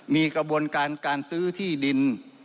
มีกระบวนการการซื้อที่ดิน